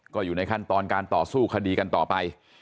ก็อยู่ในขั้นตอนการต่อสู้คดีกันต่อไป